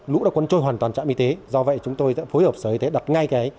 lũ đã cuốn trôi hoàn toàn trạm y tế do vậy chúng tôi sẽ phối hợp sở y tế đặt ngay cái